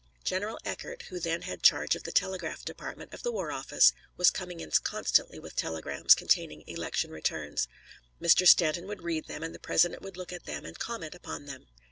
General Eckert, who then had charge of the telegraph department of the War Office, was coming in constantly with telegrams containing election returns. Mr. Stanton would read them, and the President would look at them and comment upon them.